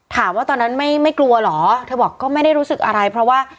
ตอนนั้นไม่กลัวเหรอเธอบอกก็ไม่ได้รู้สึกอะไรเพราะว่า